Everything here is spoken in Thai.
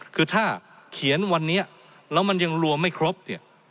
คือถ้าเขียนวันนี้แล้วมันยังรวมไม่ครบเนี่ย